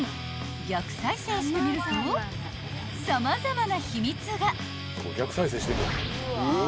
［逆再生してみると様々な秘密が］